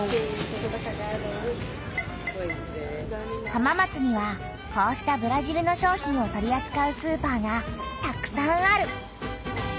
浜松にはこうしたブラジルの商品を取りあつかうスーパーがたくさんある！